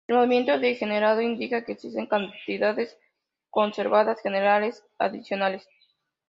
El movimiento degenerado indica que existen cantidades conservadas generales adicionales.